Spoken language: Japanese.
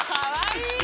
かわいい。